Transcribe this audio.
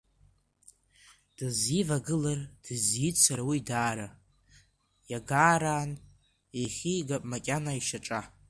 Дызивагылар, дызиццар уи даара, иагараан иеихигап макьана ишьаҿа…